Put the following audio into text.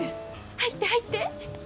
入って入って。